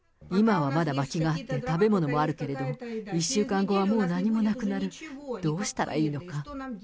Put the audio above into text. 今はまだまきがあって、食べ物もあるけれど、１週間後はもう何もなくなる。